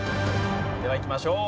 ではいきましょう。